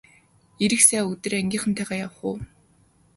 Ирэх сайн өдөр ангийнхантайгаа явах уу!